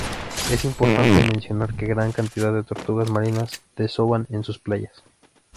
Es importante mencionar que gran cantidad de tortugas marinas desovan en sus playas.